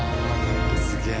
すげえ。